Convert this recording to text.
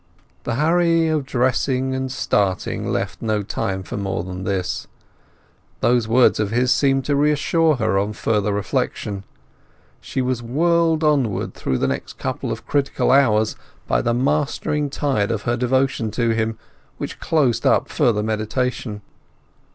The hurry of dressing and starting left no time for more than this. Those words of his seemed to reassure her on further reflection. She was whirled onward through the next couple of critical hours by the mastering tide of her devotion to him, which closed up further meditation.